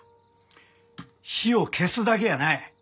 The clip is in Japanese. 火を消すだけやない。